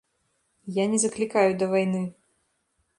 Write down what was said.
Я не заклікаю да вайны.